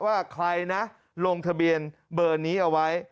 ว่าใครนะลงทะเบียนเบอร์นี้เอาไว้